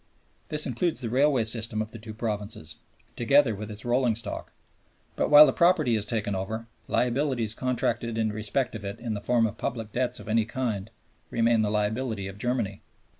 This includes the railway system of the two provinces, together with its rolling stock. But while the property is taken over, liabilities contracted in respect of it in the form of public debts of any kind remain the liability of Germany.